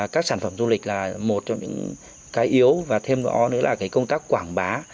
các sản phẩm du lịch là một trong những cái yếu và thêm gõ nữa là cái công tác quảng bá